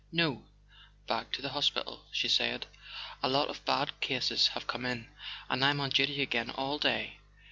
"No—back to the hospital," she said. "A lot of bad cases have come in, and I'm on duty again all day."